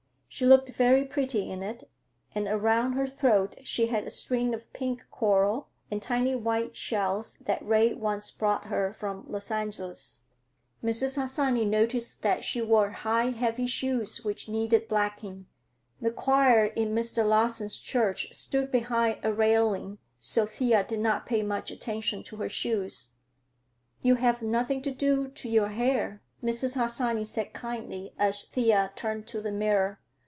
She looked very pretty in it, and around her throat she had a string of pink coral and tiny white shells that Ray once brought her from Los Angeles. Mrs. Harsanyi noticed that she wore high heavy shoes which needed blacking. The choir in Mr. Larsen's church stood behind a railing, so Thea did not pay much attention to her shoes. "You have nothing to do to your hair," Mrs. Harsanyi said kindly, as Thea turned to the mirror.